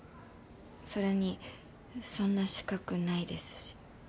それにそんな資格ないですし。